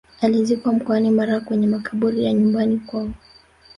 alizikwa mkoani mara kwenye makaburi ya nyumbani kwao